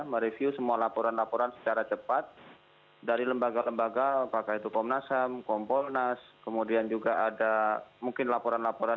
mereview semua laporan laporan secara cepat dari lembaga lembaga apakah itu komnas ham kompolnas kemudian juga ada mungkin laporan laporan